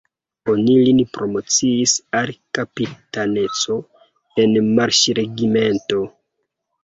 Oni lin promociis al kapitaneco en marŝregimento!